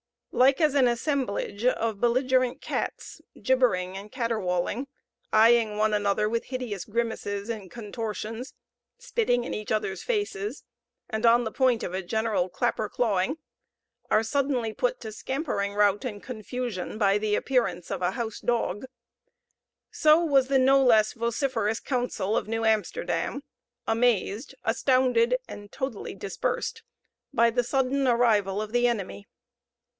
Like as an assemblage of belligerent cats, gibbering and caterwauling, eyeing one another with hideous grimaces and contortions, spitting in each other's faces, and on the point of a general clapper clawing, are suddenly put to scampering rout and confusion by the appearance of a house dog, so was the no less vociferous council of New Amsterdam amazed, astounded, and totally dispersed by the sudden arrival of the enemy.